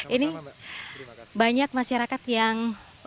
ini banyak masyarakat yang